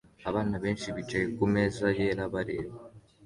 Abana benshi bicaye kumeza yera bareba